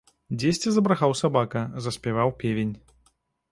Дзесьці забрахаў сабака, заспяваў певень.